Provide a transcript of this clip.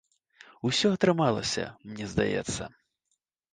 Усё атрымалася, мне здаецца.